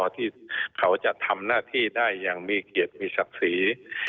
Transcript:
ที่เขาจะทำหน้าที่ได้อย่างมีเกียรติมีศักดิ์ศรี